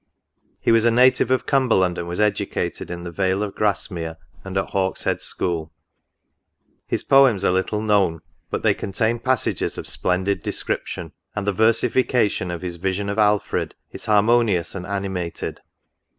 He was a native of Cumberland, and was educated in the vale of Grasmere, and at Hawkshead school : his poems are little known, but they contain passages of splendid description; and the versification of his " Vision of Alfred" is harmo nious and animated.